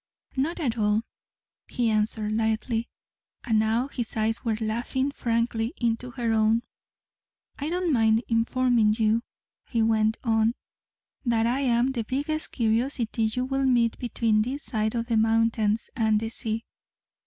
"Not at all," he answered lightly, and now his eyes were laughing frankly into her own. "I don't mind informing you," he went on, "that I am the biggest curiosity you will meet between this side of the mountains and the sea.